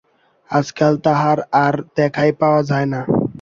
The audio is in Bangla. আজকাল তাঁহার আর দেখাই পাওয়া যায় না।